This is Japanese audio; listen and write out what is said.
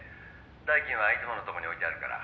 「代金はいつものとこに置いてあるから」